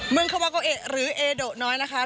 เมืองคาวาโกเอะหรือเอโดน้อยนะคะ